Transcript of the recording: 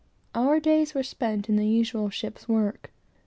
Our days were spent in the usual ship's work.